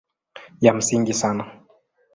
Ya msingi sana